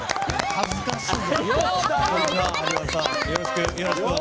恥ずかしい。